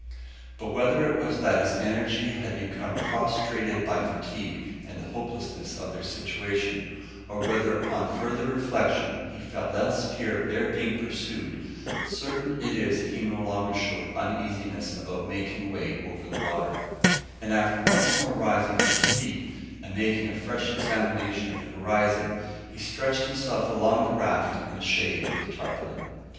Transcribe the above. But whether it was that his energy had become prostrated by fatigue and the hopelessness of their situation, or whether upon further reflection he felt less fear of their being pursued, certain it is he no longer showed uneasiness about making way over the water; and after once more rising to his feet and making a fresh examination of the horizon, he stretched himself along the raft in the shade of the tarpaulin.